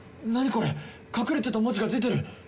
これ隠れてた文字が出てる。